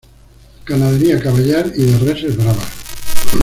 Ganadería caballar y de reses bravas.